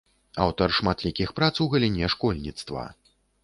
Аўтар шматлікіх прац у галіне школьніцтва.